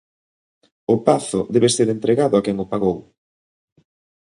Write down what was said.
O pazo debe ser entregado a quen o pagou.